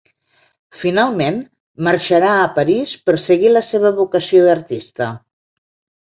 Finalment, marxarà a París per seguir la seva vocació d'artista.